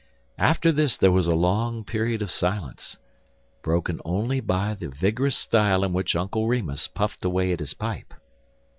After this there was a long period of silence, broken only by the vigorous style in which Uncle Remus puffed away at his pipe.